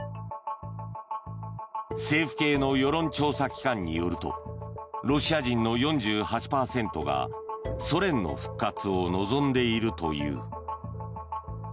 政府系の世論調査機関によるとロシア人の４８％がソ連の復活を望んでいるという。